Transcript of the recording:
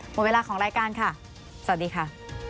หมดเวลาของรายการค่ะสวัสดีค่ะ